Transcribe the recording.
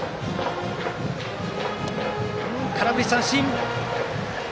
空振り三振。